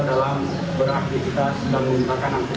dalam beraktivitas dan menuntutkan